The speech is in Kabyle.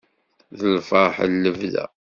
D lferḥ n lebda.